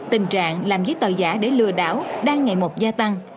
tình trạng làm giấy tờ giả để lừa đảo đang ngày một gia tăng